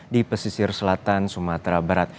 di pesisir selatan sumatera barat